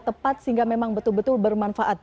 tepat sehingga memang betul betul bermanfaat